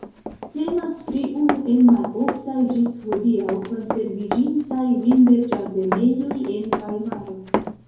Temas pri unu el maloftaj ĝis hodiaŭ konserviĝintaj vinberĝardenejoj en Vajmaro.